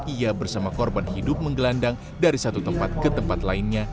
ia bersama korban hidup menggelandang dari satu tempat ke tempat lainnya